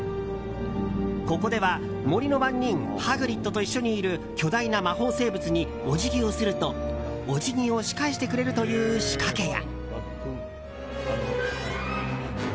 ここでは森の番人ハグリッドと一緒にいる巨大な魔法生物にお辞儀をするとお辞儀をし返してくれるという仕掛けや。